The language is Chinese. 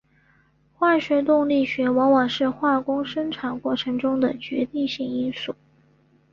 化学动力学往往是化工生产过程中的决定性因素。